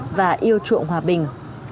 họ đã yêu chuộng hòa bình